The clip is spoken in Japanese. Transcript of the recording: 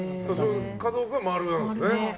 加藤君は〇なんですね。